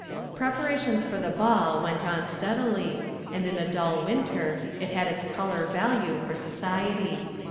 Preparations for the ball went on steadily, and in a dull winter it had its color value for society.